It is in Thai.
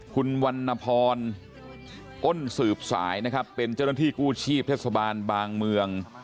คุณวันนพรอ้นสืบสายนะครับเป็นเจ้าหน้าที่กู้ชีพเทศบาลบางเมือง